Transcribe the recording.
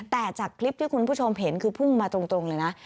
แต่จากคลิปที่คุณผู้ชมเห็นคือพุ่งมาตรงเลยนะ